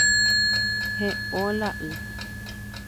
He'õ la y